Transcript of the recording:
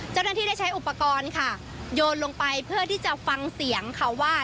เจ้าหน้าที่ได้ใช้อุปกรณ์ค่ะโยนลงไปเพื่อที่จะฟังเสียงค่ะว่า